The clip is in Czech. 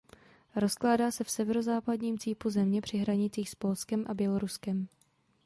Rozkládá se v severozápadním cípu země při hranicích s Polskem a Běloruskem.